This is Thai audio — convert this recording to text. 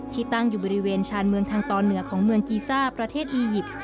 ตั้งอยู่บริเวณชานเมืองทางตอนเหนือของเมืองกีซ่าประเทศอียิปต์